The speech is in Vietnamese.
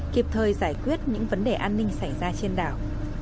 kịp thời giải quyết những vấn đề an ninh xảy ra trên đảo